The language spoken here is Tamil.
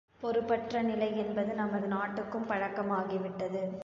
பொறுப்பற்ற நிலை என்பது நமது நாட்டுக்கும் பழக்கமாகிவிட்டது.